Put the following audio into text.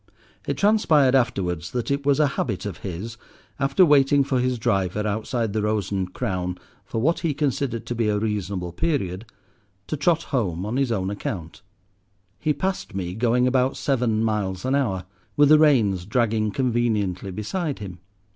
It transpired afterwards that it was a habit of his, after waiting for his driver outside the Rose and Crown for what he considered to be a reasonable period, to trot home on his own account. He passed me going about seven miles an hour, with the reins dragging conveniently beside him.